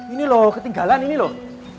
ini loh ketinggalan ini loh